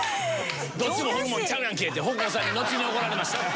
どっちもホルモンちゃうやんけってほんこんさんにのちに怒られました。